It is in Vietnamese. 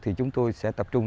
thì chúng tôi sẽ tập trung